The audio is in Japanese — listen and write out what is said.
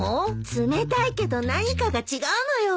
冷たいけど何かが違うのよ。